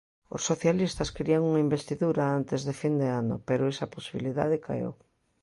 Os socialistas querían unha investidura antes de fin de ano, pero esa posibilidade caeu.